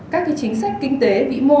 các chính sách kinh tế vĩ mô